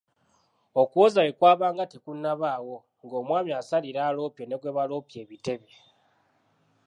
"Okuwoza bwe kwabanga tekunnaabaawo, ng’omwami asalira aloopye ne gwe baloopye ebitebe."